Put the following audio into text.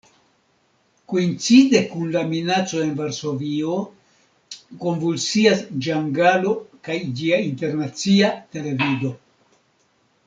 Koincide kun la minaco en Varsovio konvulsias Ĝangalo kaj ĝia Internacia Televido.